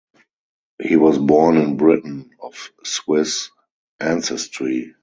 He was born in Britain of Swiss ancestry.